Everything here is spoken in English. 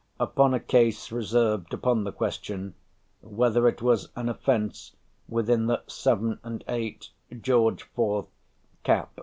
Upon a case reserved upon the question whether it was an offence within the 7 and 8 George IV., cap.